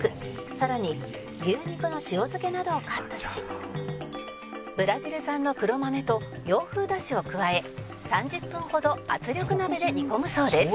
さらに牛肉の塩漬けなどをカットしブラジル産の黒豆と洋風だしを加え３０分ほど圧力鍋で煮込むそうです」